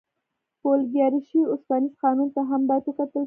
د اولیګارشۍ اوسپنیز قانون ته هم باید وکتل شي.